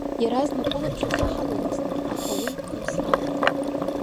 Иаразнак улаԥш ихаҳаломызт, аха уи ус акәын.